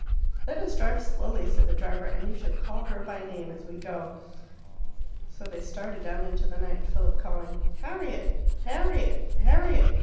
"Let us drive slowly," said the driver, "and you shall call her by name as we go." So they started down into the night, Philip calling "Harriet! Harriet! Harriet!"